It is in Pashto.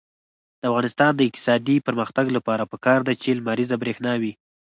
د افغانستان د اقتصادي پرمختګ لپاره پکار ده چې لمریزه برښنا وي.